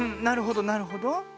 なるほどなるほど。